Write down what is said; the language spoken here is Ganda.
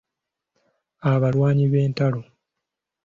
Abalwanyi b'entalo.